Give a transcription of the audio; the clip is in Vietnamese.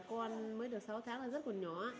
con mới được sáu tháng là rất còn nhỏ